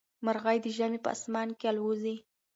مرغۍ د ژمي په اسمان کې الوزي.